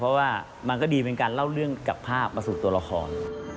เพราะว่ามันก็ดีเป็นการเล่าเรื่องกับภาพมาสู่ตัวละคร